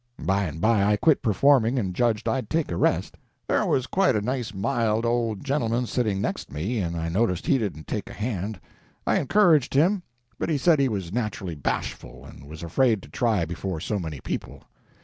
By and by I quit performing, and judged I'd take a rest. There was quite a nice mild old gentleman sitting next me, and I noticed he didn't take a hand; I encouraged him, but he said he was naturally bashful, and was afraid to try before so many people.